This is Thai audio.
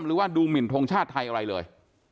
หรือว่าดูหมินทงชาติไทยอะไรเลย